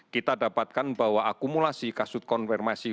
kita dapatkan bahwa akumulasi kasus konfirmasi